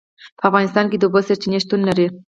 په افغانستان کې د اوبو سرچینې شتون لري.